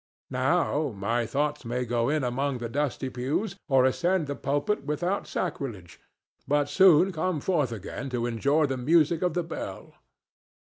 Now my thoughts may go in among the dusty pews or ascend the pulpit without sacrilege, but soon come forth again to enjoy the music of the bell.